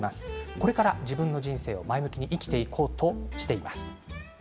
これから自分の人生を前向きに生きていこうとしています。